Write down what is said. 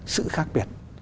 sự khác biệt